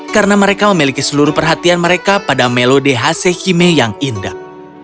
karena mereka memiliki seluruh perhatian mereka pada melodi hasehime yang indah